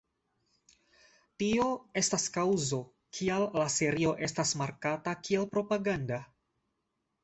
Tio estas kaŭzo, kial la serio estas markata kiel propaganda.